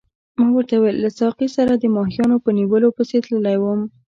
ما ورته وویل له ساقي سره د ماهیانو په نیولو پسې تللی وم.